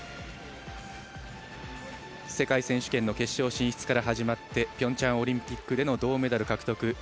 世界選手権の決勝進出から始まってピョンチャンオリンピックでの銅メダル獲得。